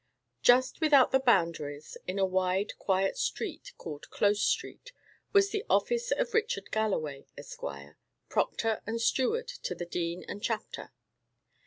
Just without the Boundaries, in a wide, quiet street, called Close Street, was the office of Richard Galloway, Esquire, Proctor, and Steward to the Dean and Chapter.